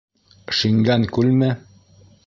Шиңгән күлме?